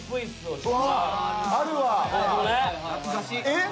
えっ？